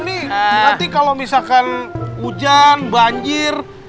ini nanti kalau misalkan hujan banjir